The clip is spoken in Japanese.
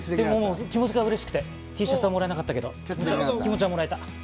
気持ちがうれしくて、Ｔシャツはもらえなかったけど、気持ちはもらえた。